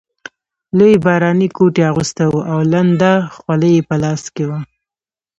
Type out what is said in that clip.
لوی باراني کوټ یې اغوستی وو او لنده خولۍ یې په لاس کې وه.